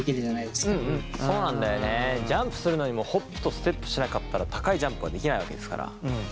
ジャンプするのにもホップとステップしなかったら高いジャンプはできないわけですから。